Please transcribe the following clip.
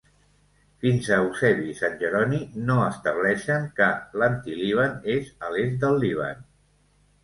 Fins a Eusebi i sant Jeroni no estableixen que l'Antilíban és a l'est del Líban.